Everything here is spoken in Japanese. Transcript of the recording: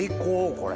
これ。